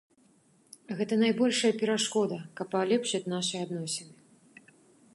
Гэта найбольшая перашкода, каб палепшыць нашыя адносіны.